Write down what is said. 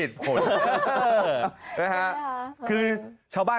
อู๋ย